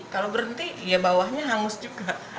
kalau berhenti ya bawahnya hangus juga